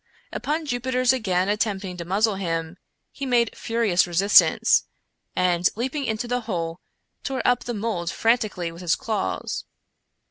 Upon Jupiter's again attempting to muzzle him, he made furious resistance, and, leaping into the hole, tore up the mold frantically with his claws.